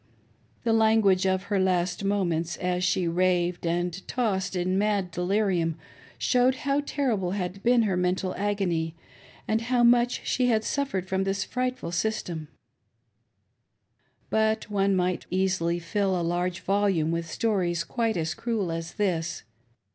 The lan guage of her last moments, as she raved and tossed in mad delirium, showed how terrible had been her mental agony, and how much she had suffered from this frightful system. ill: « '''I i ■» A MODEL HUSBAND. 527 But one might easily fill a large volume with stories quite as cruel as this.